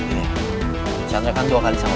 ya dicanterkan dua kali sama lu